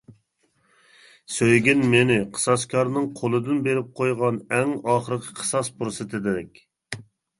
سۆيگىن مېنى قىساسكارنىڭ قولىدىن بېرىپ قويغان، ئەڭ ئاخىرقى قىساس پۇرسىتىدەك.